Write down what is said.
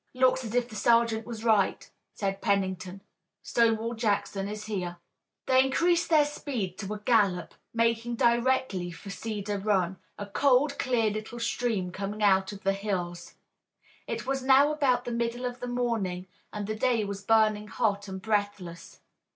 "Looks as if the sergeant was right," said Pennington. "Stonewall Jackson is here." They increased their speed to a gallop, making directly for Cedar Run, a cold, clear little stream coming out of the hills. It was now about the middle of the morning and the day was burning hot and breathless.